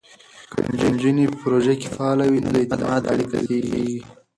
که نجونې په پروژو کې فعاله وي، نو د اعتماد اړیکې زیاتېږي.